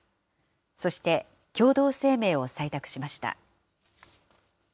そして、共同声明を採択しました。